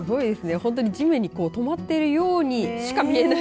本当に地面に止まっているようにしか見えない。